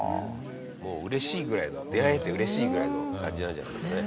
もう嬉しいぐらいの出会えて嬉しいぐらいの感じなんじゃないですかね。